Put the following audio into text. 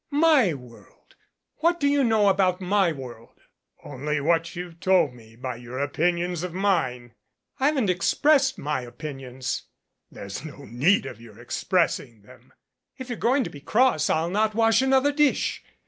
"My world ! What do you know about my world ?" "Only what you've told me by your opinions of mine." "I haven't expressed my opinions." "There's no need of your expressing them." "If you're going to be cross I'll not wash another dish."